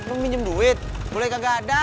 lu minjem duit boleh gak ada